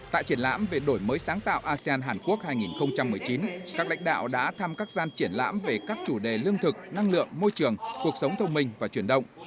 tại triển lãm về đổi mới sáng tạo asean hàn quốc hai nghìn một mươi chín các lãnh đạo đã thăm các gian triển lãm về các chủ đề lương thực năng lượng môi trường cuộc sống thông minh và chuyển động